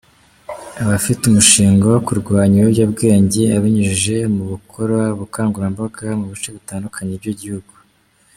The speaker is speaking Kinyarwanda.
Afite umushinga wo kurwanya ibiyobyabwenge abinyujije mu gukora ubukangurambaga mu bice bitandukanye by’Igihugu.